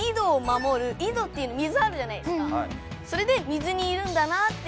それで水にいるんだなっていう。